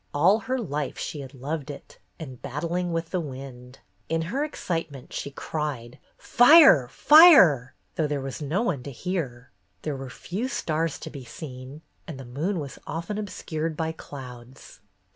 All her life she had loved it, and battling with the wind. In her excitement she cried "Fire! Fire!'' though there was no one to hear. There were few stars to be seen, and the moon was often obscured by clouds.